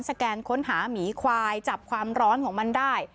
แกนค้นหาหมีควายจับความร้อนของมันได้